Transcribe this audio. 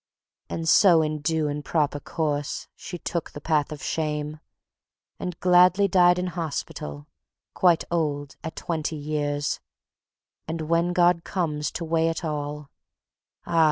And so in due and proper course she took the path of shame, And gladly died in hospital, quite old at twenty years; And when God comes to weigh it all, ah!